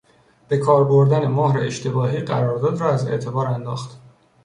به کار بردن مهر اشتباهی قرارداد را از اعتبار انداخت.